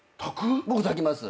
僕炊きます。